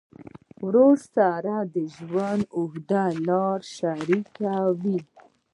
ورور سره د ژوند اوږده لار شریکه وي.